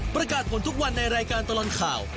ประกาศผลทุกวันในรายการตลอดข่าว